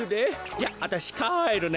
じゃああたしかえるね。